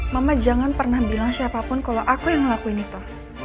mama jangan pernah bilang siapapun kalau aku yang ngelakuin itu